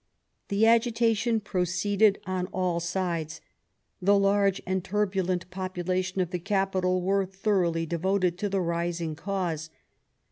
The agitation proceeded on all sides. The large and turbulent population of the capital were thoroughly devoted to the rising cause.